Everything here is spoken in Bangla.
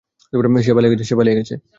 সে পালিয়ে গেছ।